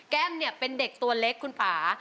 แก้มเนี่ยเป็นเด็กตัวเล็กคุณป่า